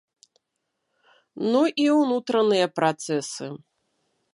Ну і ўнутраныя працэсы.